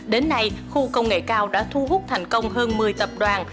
đến nay khu công nghệ cao đã thu hút thành công hơn một mươi tập đoàn